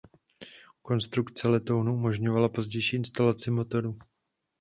Konstrukce letounu umožňovala pozdější instalaci motoru.